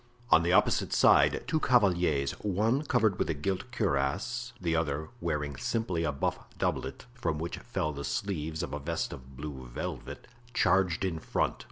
On the opposite side two cavaliers, one covered with a gilt cuirass, the other wearing simply a buff doublet, from which fell the sleeves of a vest of blue velvet, charged in front.